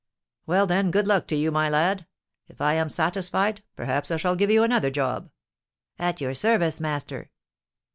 'Well, then, good luck to you, my lad! If I am satisfied, perhaps I shall give you another job.' 'At your service, master.'